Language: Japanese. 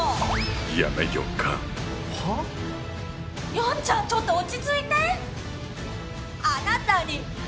ヤンちゃんちょっと落ち着いて！